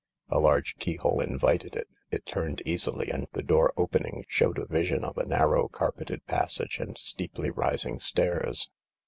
A large key hole invited it. It turned easily, and the door opening showed a vision of a narrow carpeted passage and steeplymsing stairs.